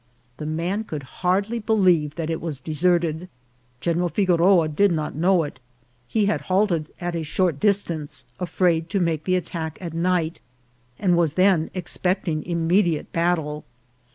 The man could hardly believe that it was deserted. General Figoroa did not know itj he had halted at a short distance, afraid to make the at tack at night, and was then expecting immediate battle.